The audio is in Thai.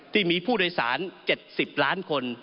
ที่มีผู้โดยสารเจ็ดสิบล้านคน